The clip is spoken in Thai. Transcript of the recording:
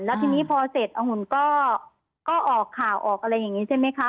แล้วทีนี้พอเสร็จองุ่นก็ออกข่าวออกอะไรอย่างนี้ใช่ไหมคะ